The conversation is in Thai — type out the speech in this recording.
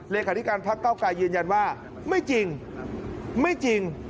เลขาธิการพักเก้าไกรยืนยันว่าไม่จริงไม่จริง